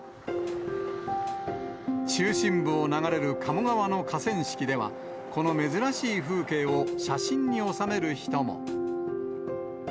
中心部を流れる鴨川の河川敷では、この珍しい風景を写真に収める人も。